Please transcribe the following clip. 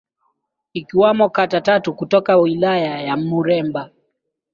ikiwamo kata tatu kutoka Wilaya ya Muleba